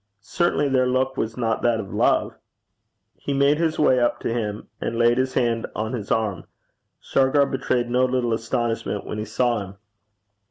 Certainly, their look was not that of love. He made his way up to him and laid his hand on his arm. Shargar betrayed no little astonishment when he saw him.